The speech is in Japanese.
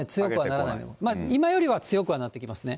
今よりは強くなってはきますね。